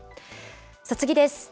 次です。